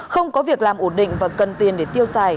không có việc làm ổn định và cần tiền để tiêu xài